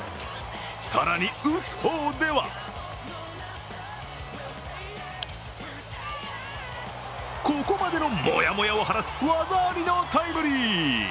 更に、打つ方ではここまでのもやもやを晴らす技ありのタイムリー。